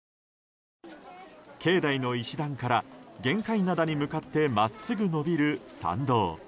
境内の石段から玄界灘に向かって真っすぐ伸びる参道。